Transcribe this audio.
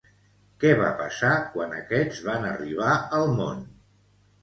Què va passar quan aquests van arribar al món?